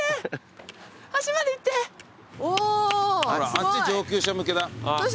あっち上級者向けだ。